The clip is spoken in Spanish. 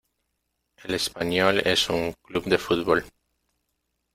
El Espanyol es un club de fútbol.